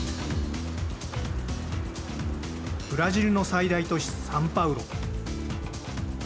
ブラジルの最大都市サンパウロ。